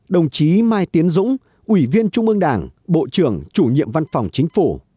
đồng chí mai tiến dũng ủy viên trung ương đảng bộ trưởng chủ nhiệm văn phòng chính phủ